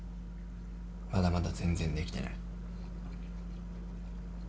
まだまだ全然できてない。